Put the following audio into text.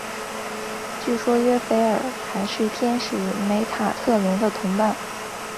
据说约斐尔还是天使梅塔特隆的同伴。